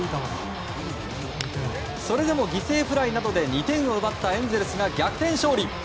それでも犠牲フライなど２点を奪ったエンゼルスが逆転勝利。